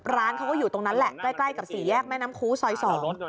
ร้านเขาก็อยู่ตรงนั้นแหละใกล้ใกล้กับสี่แยกแม่น้ำคู้ซอยสอง